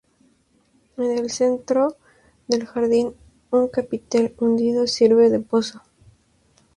En el centro del jardín, un capitel hundido sirve de pozo.